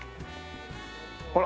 ほら。